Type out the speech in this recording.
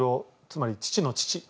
つまり父の父